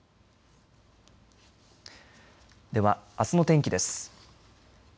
では、あすの天気です。